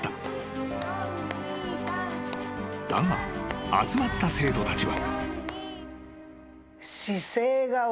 ［だが集まった生徒たちは］